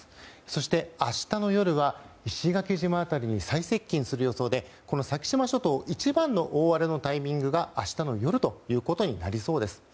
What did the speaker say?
そして、明日の夜は石垣島辺りに最接近する予定で先島諸島の一番の大荒れのタイミングが明日の夜ということになりそうです。